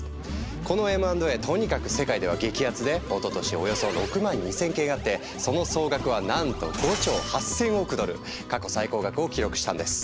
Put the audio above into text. このＭ＆Ａとにかく世界では激アツでおととしおよそ６万２，０００件あってその総額はなんと過去最高額を記録したんです。